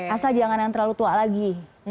asal jangan yang terlalu tua lagi